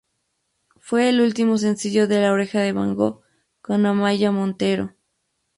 Fue el último sencillo de "La Oreja de Van Gogh" con Amaia Montero.